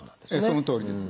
そのとおりです。